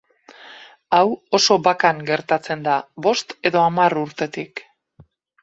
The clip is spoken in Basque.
Hau oso bakan gertatzen da, bost edo hamar urtetik.